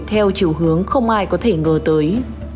theo chiều hướng không ai có thể ngờ tới